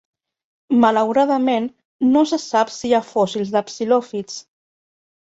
Malauradament, no se sap si hi ha fòssils de psilòfits.